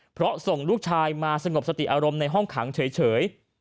เพราะส่งลูกชายมาสงบสติอารมณ์ในห้องขังเฉย